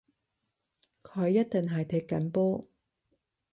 佢一定係踢緊波